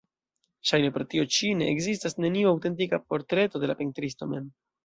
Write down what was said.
Ŝajne pro tio ĉi ekzistas neniu aŭtentika portreto de la pentristo mem.